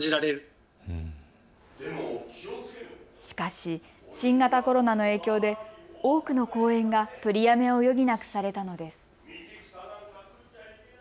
しかし新型コロナの影響で多くの公演が取りやめを余儀なくされたのです。